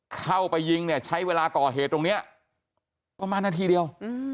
เข้าไปยิงเนี่ยใช้เวลาก่อเหตุตรงนี้ประมาณนาทีเดียว